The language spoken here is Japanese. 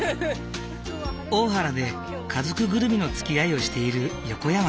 大原で家族ぐるみのつきあいをしている横山さん。